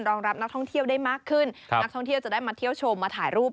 รองรับนักท่องเที่ยวได้มากขึ้นครับจะได้มาเที่ยวชมมาถ่ายรูป